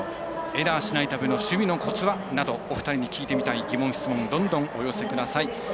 エラーしないための守備のコツはなどお二人に聞いてみたい疑問、質問どんどんお寄せください。